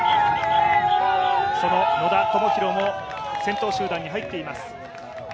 その野田明宏も先頭集団に入っています。